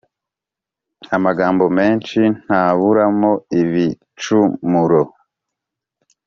Amagambo menshi ntaburamo ibicumuro